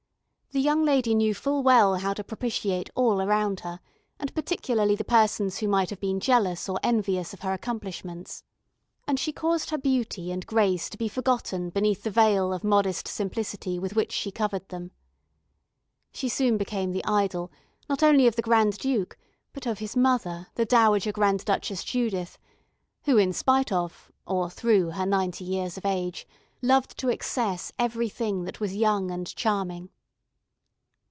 The young lady knew full well how to propitiate all around her, and particularly the persons who might have been jealous or envious of her accomplishments, and she caused her beauty and grace to be forgotten beneath the veil of modest simplicity with which she covered them. She soon became the idol, not only of the Grand Duke, but of his mother, the Dowager Grand Duchess Judith, who, in spite of, or through, her ninety years of age, loved to excess every thing that was young and charming.